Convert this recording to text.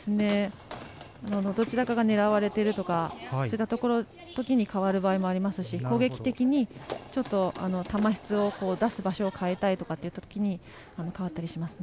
どちらかが狙われているとかそういったときに変わる場合もありますし攻撃的に、球質を出す場所を変えたいとかというときに変わったりしますね。